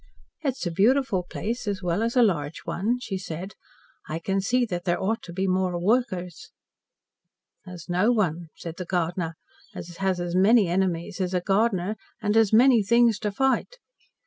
"It is a beautiful place, as well as a large one," she said. "I can see that there ought to be more workers." "There's no one," said the gardener, "as has as many enemies as a gardener, an' as many things to fight.